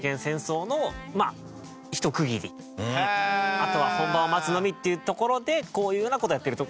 あとは本番を待つのみっていうところでこういうような事をやってる所